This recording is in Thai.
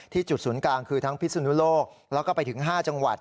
จุดศูนย์กลางคือทั้งพิสุนุโลกแล้วก็ไปถึง๕จังหวัด